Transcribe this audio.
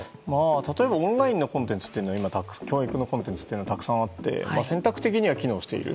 例えばオンラインのコンテンツ教育のコンテンツはたくさんあって選択的には機能している。